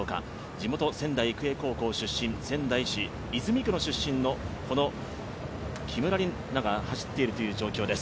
地元・仙台育英高校出身、仙台市泉区の出身の木村梨七が走っているという状況です。